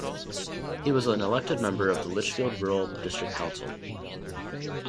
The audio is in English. He was an elected member of the Lichfield Rural District Council.